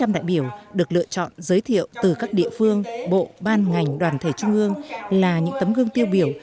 một trăm linh đại biểu được lựa chọn giới thiệu từ các địa phương bộ ban ngành đoàn thể trung ương là những tấm gương tiêu biểu